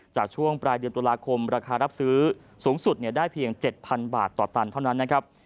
ช่วงปลายเดือนตุลาคมราคารับซื้อสูงสุดได้เพียง๗๐๐บาทต่อตันเท่านั้นนะครับ